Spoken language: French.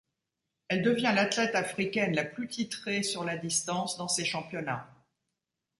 Elle devient l'athlète africaine la plus titrée sur la distance dans ces championnats.